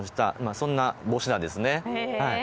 そんな帽子なんです。